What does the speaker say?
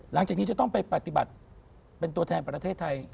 หลังจากนี้จะต้องไปปฏิบัติเป็นตัวแทนประเทศไทย